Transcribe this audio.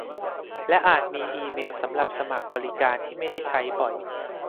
และอาจมีอีเมลสำหรับสมัครบริการที่ไม่ได้ใช้บ่อย